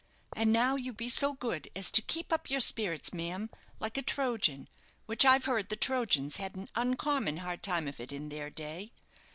And now you be so good as to keep up your spirits, ma'am, like a Trojan which I've heard the Trojans had an uncommon hard time of it in their day.